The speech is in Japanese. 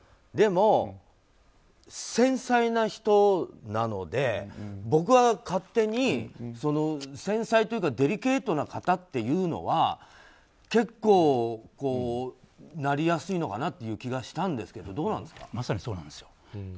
でも、繊細な人なので僕は勝手に繊細というかデリケートな方というのは結構なりやすいのかなという気がしたんですけどまさにそうなんですよ。